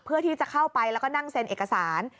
เพื่อที่จะเข้าไปแล้วก็นั่งเซ็นเอกสาร